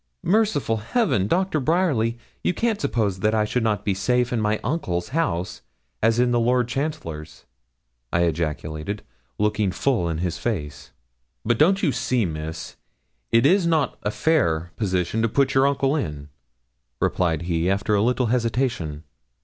'Merciful Heaven! Doctor Bryerly, you can't suppose that I should not be as safe in my uncle's house as in the Lord Chancellor's?' I ejaculated, looking full in his face. 'But don't you see, Miss, it is not a fair position to put your uncle in,' replied he, after a little hesitation.